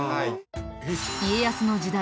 家康の時代